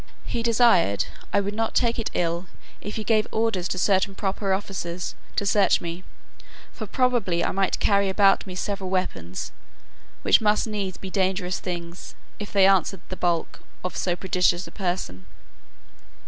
He desired "I would not take it ill, if he gave orders to certain proper officers to search me; for probably I might carry about me several weapons, which must needs be dangerous things, if they answered the bulk of so prodigious a person."